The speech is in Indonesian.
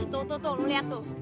nah tuh tuh tuh lo liat tuh